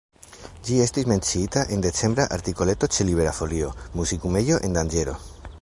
Ĝi estis menciita en decembra artikoleto ĉe Libera Folio, Muzikumejo en danĝero.